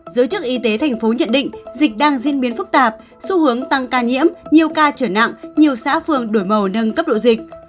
giới chức y tế thành phố nhận định dịch đang diễn biến phức tạp xu hướng tăng ca nhiễm nhiều ca trở nặng nhiều xã phường đổi màu nâng cấp độ dịch